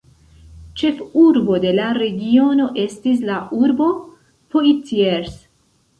Ĉefurbo de la regiono estis la urbo Poitiers.